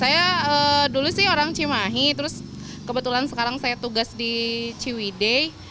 saya dulu sih orang cimahi terus kebetulan sekarang saya tugas di ciwide